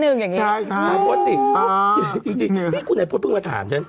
เออพี่แป่นปฏิพัฒน์